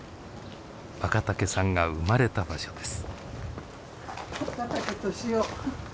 若竹さんが生まれた場所です。